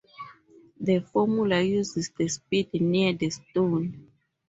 The formula uses the speed near the stone.